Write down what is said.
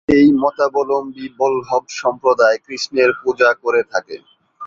এই মতাবলম্বী বল্লভ সম্প্রদায় কৃষ্ণের পূজা করে থাকে।